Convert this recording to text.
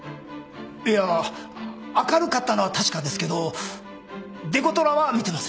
いやぁ明るかったのは確かですけどデコトラは見てません。